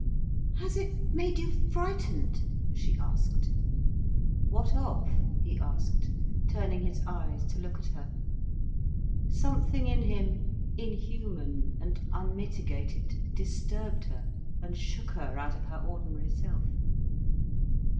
"Has it made you frightened?" she asked. "What of?" he asked, turning his eyes to look at her. Something in him, inhuman and unmitigated, disturbed her, and shook her out of her ordinary self.